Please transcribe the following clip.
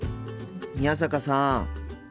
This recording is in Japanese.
宮坂さん。